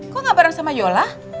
kok gak bareng sama yola